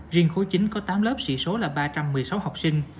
riêng khối chính có tám lớp sỉ số là ba trăm một mươi sáu học sinh